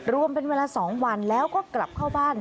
รวมเป็นเวลา๒วันแล้วก็กลับเข้าบ้าน